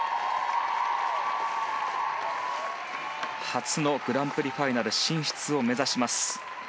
初のグランプリファイナル進出を目指します。